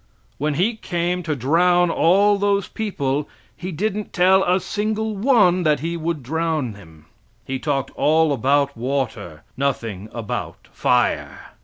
When He came to drown all those people He didn't tell a single one that He would drown him. He talked all about water nothing about fire.